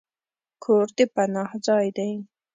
کور د پناه ځای دی.